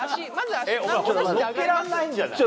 お前乗っけらんないんじゃない？